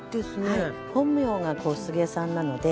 本名が小菅さんなので。